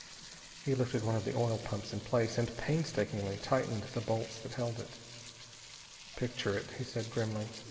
He lifted one of the oil pumps in place and painstakingly tightened the bolts that held it. "Picture it," he said grimly.